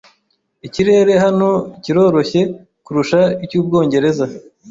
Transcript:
Ikirere hano kiroroshye kurusha icy'Ubwongereza.